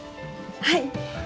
はい！